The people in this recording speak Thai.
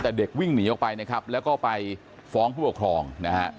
แต่เด็กวิ่งหนีออกไปนะครับแล้วก็ไปฟ้องผู้ปกครองนะฮะ